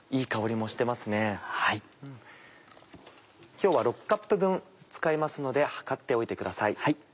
今日は６カップ分使いますので量っておいてください。